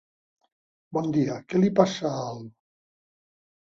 Bon dia, què li passa al...?